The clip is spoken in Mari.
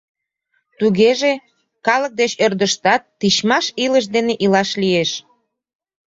Тугеже, калык деч ӧрдыжтат тичмаш илыш дене илаш лиеш.